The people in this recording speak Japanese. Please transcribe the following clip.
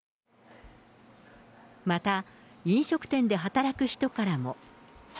また、飲食店で働く人からも。